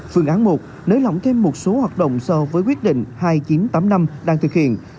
phương án một nới lỏng thêm một số hoạt động so với quyết định hai nghìn chín trăm tám mươi năm đang thực hiện